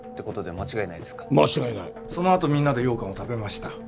間違いないそのあとみんなで食べました